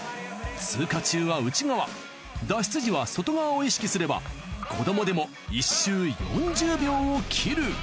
通過中は内側脱出時は外側を意識すれば子どもでも一周４０秒を切る。